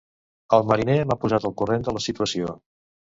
El mariner m'ha posat al corrent de la situació.